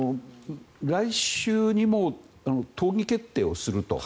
来週にも党議決定をすると。